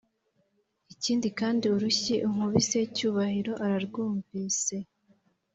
ikindi kandi uru rushyi unkubise cyubahiro ararwumvise